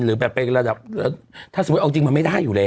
หรือแบบเป็นระดับถ้าสมมุติเอาจริงมันไม่ได้อยู่แล้ว